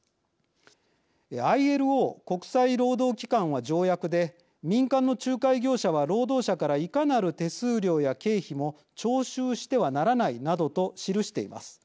ＩＬＯ国際労働機関は条約で民間の仲介業者は労働者からいかなる手数料や経費も徴収してはならないなどと記しています。